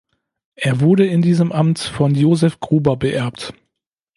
Er wurde in diesem Amt von Josef Gruber beerbt.